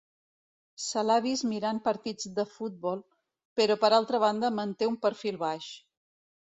Se l'ha vist mirant partits de futbol, però per altra banda manté un perfil baix.